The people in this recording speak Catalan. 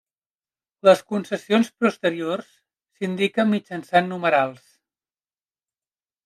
Les concessions posteriors s'indiquen mitjançant numerals.